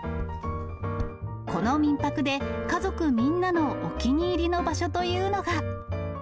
この民泊で、家族みんなのお気に入りの場所というのが。